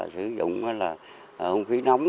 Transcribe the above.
sử dụng hông khí nóng